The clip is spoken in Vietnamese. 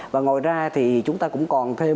và ngồi ra thì chúng ta cũng còn thêm